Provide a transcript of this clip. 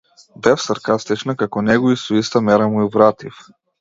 Бев саркастична како него и со иста мера му вратив.